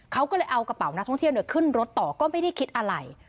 เขาก็เลยเอากระเป๋านักท่องเที่ยวขึ้นรถต่อก็ไม่ได้คิดอะไร